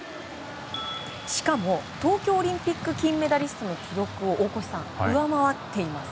しかも、東京オリンピック金メダリストの記録を大越さん上回っています。